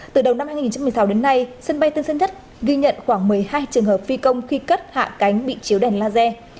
từ đầu năm hai nghìn một mươi sáu đến nay sân bay tân sơn nhất ghi nhận khoảng một mươi hai trường hợp phi công khi cất hạ cánh bị chiếu đèn laser